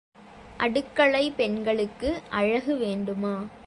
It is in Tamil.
அடுக்களைப் பெண்ணுக்கு அழகு வேண்டுமா?